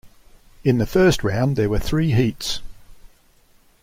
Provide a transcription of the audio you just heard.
In the first round, there were three heats.